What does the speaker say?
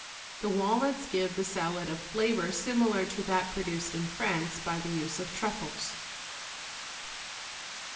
The walnuts give the salad a flavor similar to that produced in France by the use of truffles.